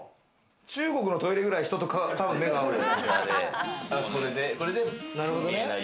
中国のトイレくらい、人とたぶん目が合うよ。